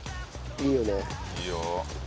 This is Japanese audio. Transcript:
いいよ。